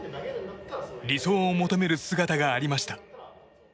理想を求める姿がありました。